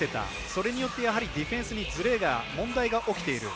それによってディフェンスにずれが問題が起きている。